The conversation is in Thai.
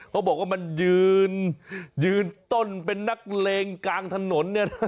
เขาบอกว่ามันยืนต้นเป็นนักเลงกลางถนนเนี่ยนะ